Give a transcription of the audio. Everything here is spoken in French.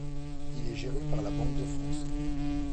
Il est géré par la Banque de France.